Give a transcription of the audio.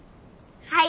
はい。